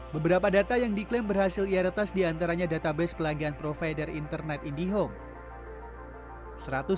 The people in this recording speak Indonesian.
beberapa data yang diklaim berhasil ia retas diantaranya database pelanggan provider internet indihome